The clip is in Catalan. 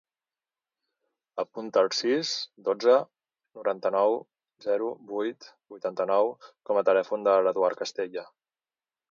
Apunta el sis, dotze, noranta-nou, zero, vuit, vuitanta-nou com a telèfon de l'Eduard Castella.